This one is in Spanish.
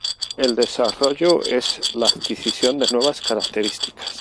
El desarrollo es la adquisición de nuevas características.